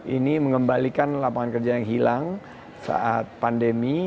ini mengembalikan lapangan kerja yang hilang saat pandemi